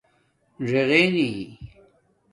ژِغئ نی